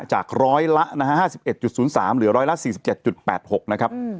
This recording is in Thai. จากร้อยละนะฮะ๕๑๐๓เหลือ๑๔๗๘๖นะครับ